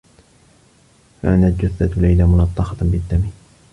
كانت جثّة ليلى ملطّخة بالدّم.